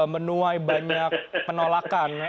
menuai banyak penolakan